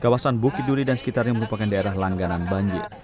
kawasan bukit duri dan sekitarnya merupakan daerah langganan banjir